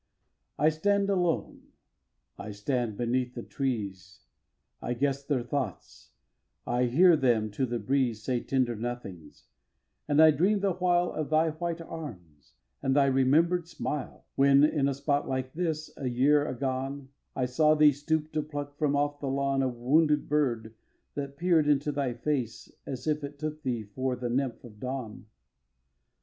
v. I stand alone. I stand beneath the trees, I guess their thoughts; I hear them to the breeze Say tender nothings; and I dream the while Of thy white arms, and thy remember'd smile, When, in a spot like this, a year a gone, I saw thee stoop to pluck from off the lawn A wounded bird that peer'd into thy face As if it took thee for the nymph of dawn!